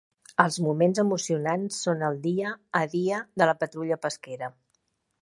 Els moments emocionants són el dia a dia de la patrulla pesquera.